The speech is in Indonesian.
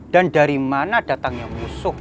dan dari mana datangnya musuh